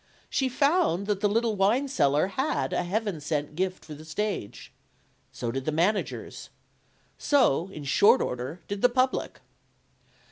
She found that the little wine seller had a Heaven sent gift for the stage. So did the managers. So, in short order, did the public.